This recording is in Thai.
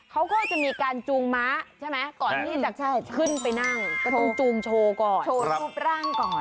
เขาก็จะมีการจูงม้าใช่ไหมก่อนที่จะขึ้นไปนั่งก็ต้องจูงโชว์ก่อนโชว์รูปร่างก่อน